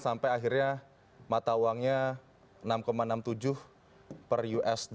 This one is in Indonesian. sampai akhirnya mata uangnya enam enam puluh tujuh per usd